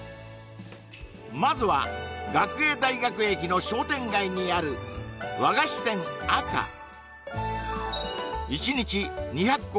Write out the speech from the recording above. まずは学芸大学駅の商店街にある和菓子店あか一日２００個